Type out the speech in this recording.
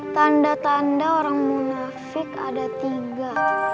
tanda tanda orang munafik ada tiga